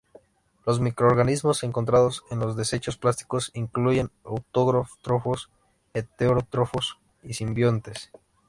Los microorganismos encontrados en los desechos plásticos incluyen autótrofos, heterótrofos y simbiontes.